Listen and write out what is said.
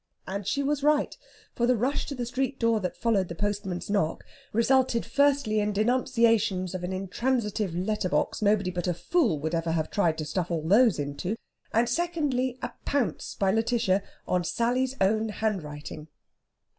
And she was right, for the rush to the street door that followed the postman's knock resulted firstly in denunciations of an intransitive letter box nobody but a fool would ever have tried to stuff all those into, and secondly in a pounce by Lætitia on Sally's own handwriting.